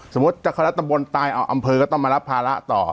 สมมุติจักรรตบนตายอำเภอก็ต้องมารับภาระต่อ